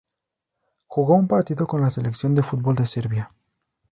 Jugó un partido con la selección de fútbol de Serbia.